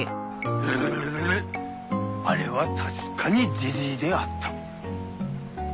あれは確かにジジイであった。